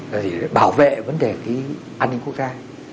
là gì bảo vệ vấn đề cái an ninh quốc gia